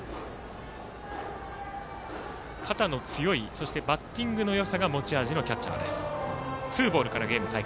肩の強い、そしてバッティングのよさが持ち味のキャッチャーです。